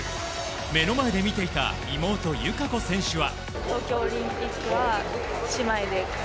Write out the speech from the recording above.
目の前で見ていた妹・友香子選手は。